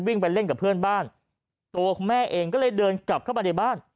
ไปเล่นกับเพื่อนบ้านตัวคุณแม่เองก็เลยเดินกลับเข้ามาในบ้าน